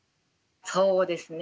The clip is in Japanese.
そうですね。